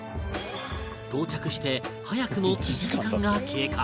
到着して早くも１時間が経過